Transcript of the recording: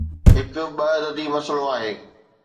هڪ ٻه عددي مسئلو آهي.